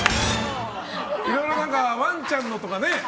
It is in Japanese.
いろいろワンちゃんのとかね。